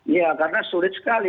ya karena sulit sekali